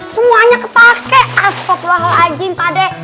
semuanya kepake astagfirullahaladzim pade